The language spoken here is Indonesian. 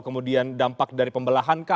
kemudian dampak dari pembelahan kah